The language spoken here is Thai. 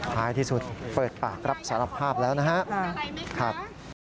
ท้ายที่สุดเปิดปากรับสารภาพแล้วนะครับ